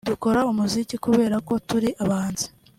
dukora umuziki kubera ko turi abahanzi